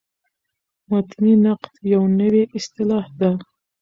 متني نقد یوه نوې اصطلاح ده.